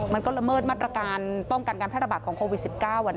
มันก็ละเมิดมาตรการป้องกันการพยาบาปของโควิด๑๙